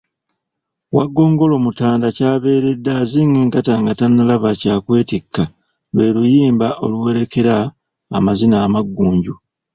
Waggongolo mutanda ky'abeeredde azinga enkata nga tannalaba kya kwetikka lwe luyimba oluwerekera amazina amaggunju.